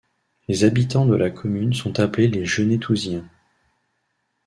Les habitants de la commune sont appelés les Genétouziens.